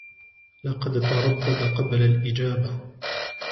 لقد تردد قبل الإجابة.